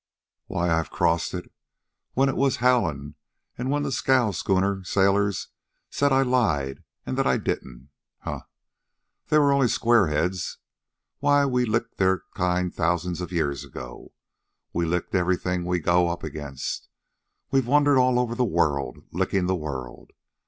"Why, I've crossed it when it was howlin' an' when the scow schooner sailors said I lied an' that I didn't. Huh! They were only squareheads. Why, we licked their kind thousands of years ago. We lick everything we go up against. We've wandered all over the world, licking the world.